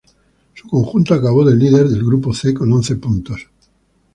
Su conjunto acabó de líder del grupo C con once puntos.